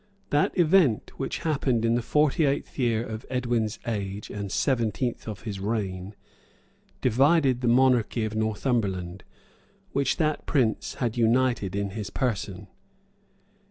[] That event, which happened in the forty eighth year of Edwin's age and seventeenth of his reign,[] divided the monarchy of Northumberland, which that prince had united in his person.